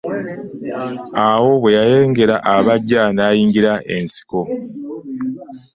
Awo bwe yalengera abajja n'ayingira ensiko.